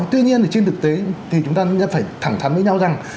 tuy nhiên trên thực tế thì chúng ta phải thẳng thắn với nhau rằng